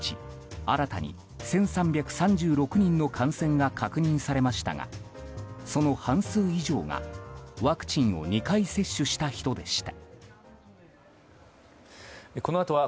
新たに１３３６人の感染が確認されましたがその半数以上がワクチンを２回接種した人でした。